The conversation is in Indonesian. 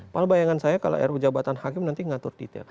malah bayangan saya kalau ruu jabatan hakim nanti mengaturnya